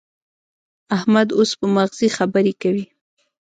احمد اوس په مغزي خبرې کوي.